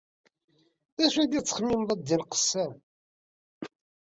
D acu telliḍ tettxemmimeḍ a ddin n Qessam?